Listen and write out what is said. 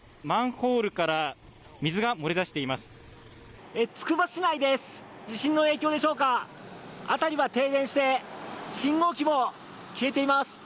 マンホールから水が漏れ出しています。